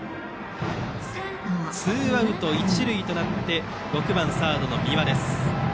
ツーアウト、一塁となって６番サード、三輪。